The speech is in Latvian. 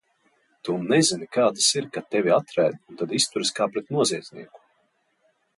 Tu nezini, kā tas ir, kad tevi atraida un tad izturas kā pret noziedznieku!